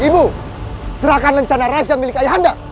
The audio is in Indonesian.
ibu serahkan rencana raja milik ayahanda